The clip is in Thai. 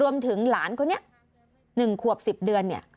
รวมถึงหลานคนนี้๑ขวบ๑๐เดือนเนี่ย